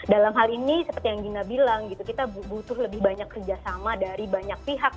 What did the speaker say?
dalam hal ini seperti yang gina bilang gitu kita butuh lebih banyak kerjasama dari banyak pihak